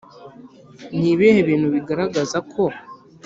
Ni ibihe bintu bigaragaza ko